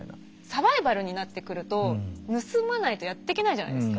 サバイバルになってくると盗まないとやってけないじゃないですか。